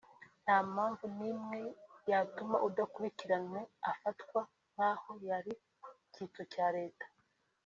nta mpamvu n’imwe yatuma udakurikiranywe afatwa nk’aho yari icyitso cya Leta